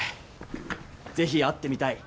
「是非会ってみたい。